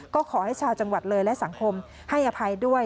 ก็ขอให้ชาวจังหวัดเลยและสังคมให้อภัยด้วย